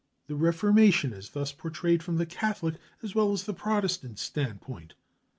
The Reformation is thus portrayed from the Catholic as well as the Protestant standpoint.